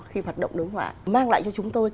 khi hoạt động đối ngoại mang lại cho chúng tôi